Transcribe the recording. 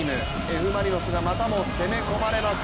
Ｆ・マリノスがまたも攻め込まれます。